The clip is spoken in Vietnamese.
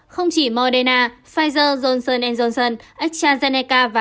không chỉ moderna pfizer johnson johnson astrazeneca và novavax